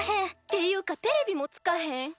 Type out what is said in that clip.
・っていうかテレビもつかへん。